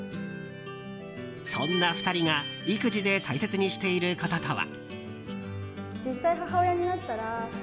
そんな２人が育児で大切にしていることとは？